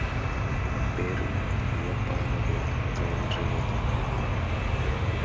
பெரும் வியப்பாகவே தோன்றியது.